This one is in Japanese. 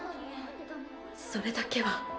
それだけは。